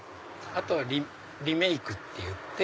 あとはリメイクっていって。